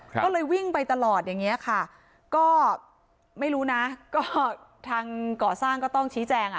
ก็เลยวิ่งไปตลอดอย่างเงี้ยค่ะก็ไม่รู้นะก็ทางก่อสร้างก็ต้องชี้แจงอ่ะ